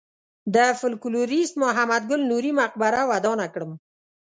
د فولکلوریست محمد ګل نوري مقبره ودانه کړم.